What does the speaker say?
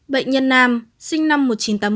bệnh nhân nam sinh năm một nghìn chín trăm tám mươi